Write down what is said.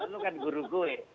lu kan guru gue